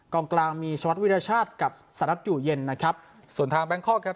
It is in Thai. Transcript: กลางกลางมีชวัดวิรชาติกับสหรัฐอยู่เย็นนะครับส่วนทางแบงคอกครับ